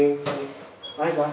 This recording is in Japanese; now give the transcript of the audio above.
バイバイ。